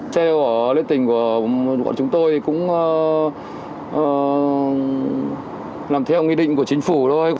xe ở lê tình của bọn chúng tôi cũng làm theo nghị định của chính phủ thôi